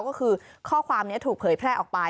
ก็คือข้อความนี้ถูกเผยแพร่ออกไป